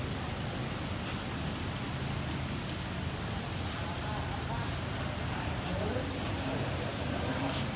สวัสดีครับสวัสดีครับ